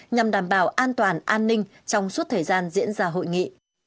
nhằm đảm bảo an toàn an ninh trong suốt thời gian diễn ra hội nghị